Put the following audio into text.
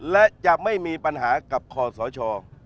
และจะไม่มีปัญหากับคอสช